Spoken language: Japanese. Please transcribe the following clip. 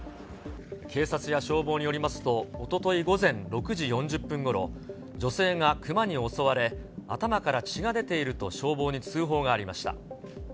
警察や消防によりますと、おととい午前６時４０分ごろ、女性がクマに襲われ、頭から血が出ていると消防に通報がありました。